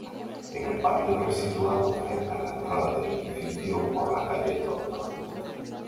En el parterre situado frente a la entrada del edificio por la calle Dr.